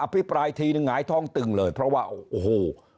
พิปรายทีนึงหงายท้องตึงเลยเพราะว่าโอ้โห